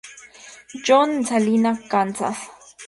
John en Salina, Kansas.